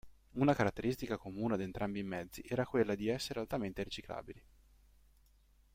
Una caratteristica comune ad entrambi i mezzi era quella di essere altamente riciclabili.